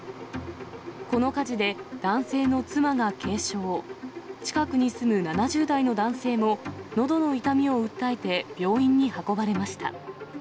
この火事で、男性の妻が軽傷、近くに住む７０代の男性ものどの痛みを訴えて、病院に運ばれました。